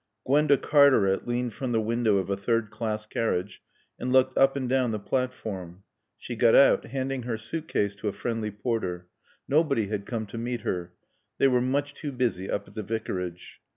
Gwenda Cartaret leaned from the window of a third class carriage and looked up and down the platform. She got out, handing her suit case to a friendly porter. Nobody had come to meet her. They were much too busy up at the Vicarage.